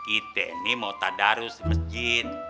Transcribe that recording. it ini mau tadarus di masjid